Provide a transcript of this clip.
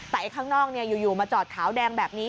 แต่ข้างนอกอยู่มาจอดขาวแดงแบบนี้